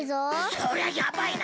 そりゃやばいな。